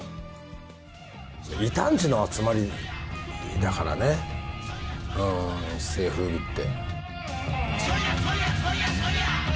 異端児の集まりだからね、一世風靡って。